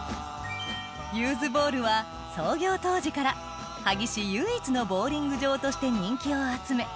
・ユーズボウルは創業当時から萩市唯一のボウリング場として人気を集め